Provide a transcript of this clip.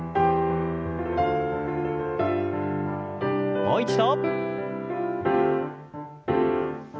もう一度。